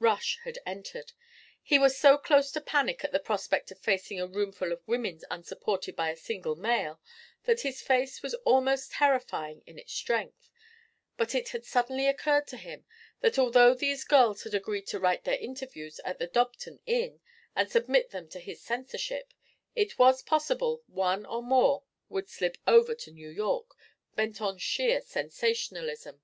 Rush had entered. He was so close to panic at the prospect of facing a roomful of women unsupported by a single male that his face was almost terrifying in its strength, but it had suddenly occurred to him that although these girls had agreed to write their interviews at the Dobton Inn and submit them to his censorship, it was possible one or more would slip over to New York, bent upon sheer sensationalism.